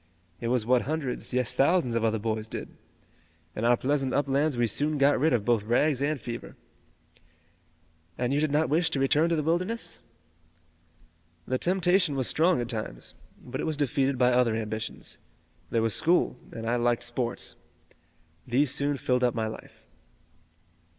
It was what hundreds, yes, thousands of other boys did. In our pleasant uplands we soon got rid of both rags and fever." "And you did not wish to return to the wilderness?" "The temptation was strong at times, but it was defeated by other ambitions. There was school and I liked sports. These soon filled up my life."